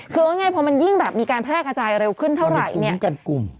คือว่าไงพอมันยิ่งแบบมีการแพร่กระจายเร็วขึ้นเท่าไหร่